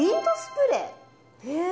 へえ。